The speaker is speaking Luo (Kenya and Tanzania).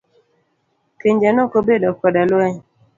Pinje nokobedo koda lweny.